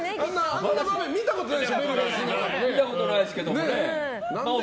あんな場面見たことないでしょ。